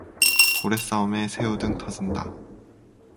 고래 싸움에 새우 등 터진다